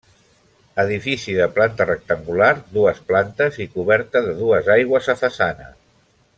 Edifici de planta rectangular, dues plantes i coberta de dues aigües a façana.